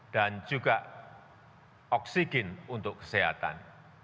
dan juga oksigen untuk kesehatan